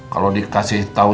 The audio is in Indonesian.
kalo dikasih tau